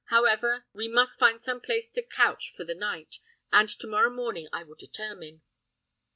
However, we must find some place to couch us for the night, and to morrow morning I will determine."